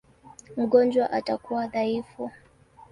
Mgonjwa atakuwa dhaifu.